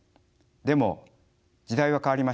でも時代は変わりました。